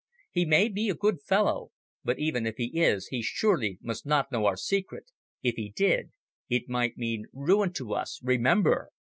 He may be a good fellow, but even if he is he surely must not know our secret, if he did, it might mean ruin to us, remember!"